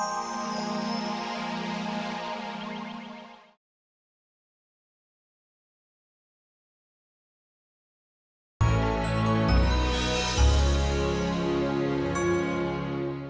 mari kita berikan tepuk tangan